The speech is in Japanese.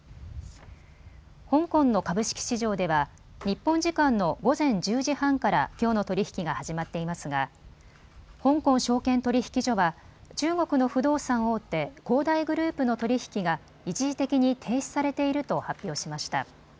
香港の株式市場では日本時間の午前１０時半からきょうの取り引きが始まっていますが香港証券取引所は中国の不動産大手、恒大グループの取り引きが一時的に停止されていると発表しました。